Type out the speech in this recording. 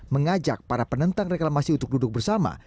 mengajak para penentang reklamasi untuk duduk bersama